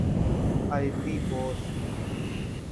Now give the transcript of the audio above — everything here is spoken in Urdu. Ivory Coast